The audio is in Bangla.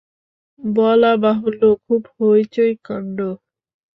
বলাবাহুল্য খুব হৈ চৈ কাণ্ড।